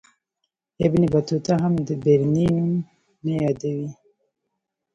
ابن بطوطه هم د برني نوم نه یادوي.